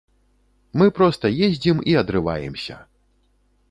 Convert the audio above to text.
Мы проста ездзім і адрываемся!